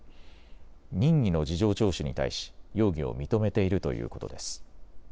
任意の事情聴取に対し容疑を認めているということです。